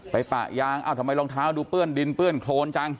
ปะยางเอ้าทำไมรองเท้าดูเปื้อนดินเปื้อนโครนจัง